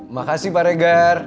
makasih pak regar